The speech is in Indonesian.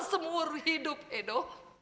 semur hidup edo